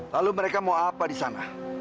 lalu mereka mau apa di sana